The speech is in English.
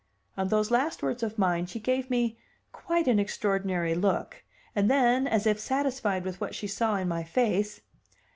On those last words of mine she gave me quite an extraordinary look, and then, as if satisfied with what she saw in my face.